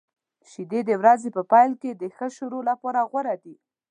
شیدې د ورځې په پیل کې د ښه شروع لپاره غوره دي.